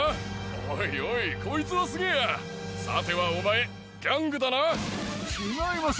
おいおいこいつはすげぇやさてはお前ギャングだな。